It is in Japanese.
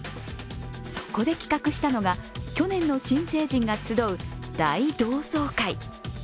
そこで企画したのが去年の新成人が集う大同窓会。